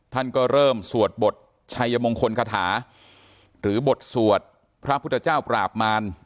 ท่านก็เริ่มสวดบทชัยมงคลคาถาหรือบทสวดพระพุทธเจ้าปราบมาร